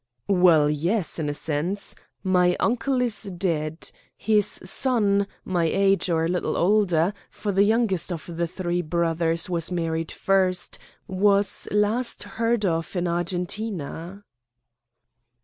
"Well, yes, in a sense. My uncle is dead. His son, my age or a little older, for the youngest of the three brothers was married first, was last heard of in Argentina."